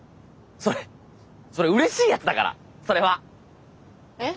それそれうれしいやつだからそれは！えっ？